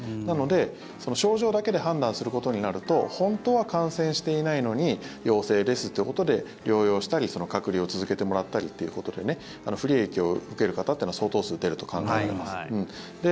なので症状だけで判断することになると本当は感染していないのに陽性ですってことで療養したり隔離を続けてもらったりということで不利益を受ける方というのは相当数出ると考えられます。